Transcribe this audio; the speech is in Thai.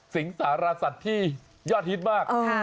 สารสัตว์ที่ยอดฮิตมาก